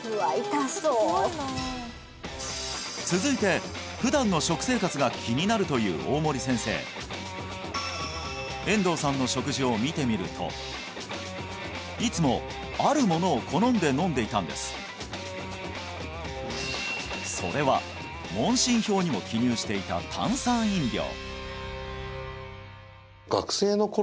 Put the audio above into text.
痛そう続いて普段の食生活が気になるという大森先生遠藤さんの食事を見てみるといつもあるものを好んで飲んでいたんですそれは問診票にも記入していた炭酸飲料